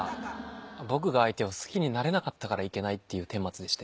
僕が相手を好きになれなかったからいけないっていう顛末でして。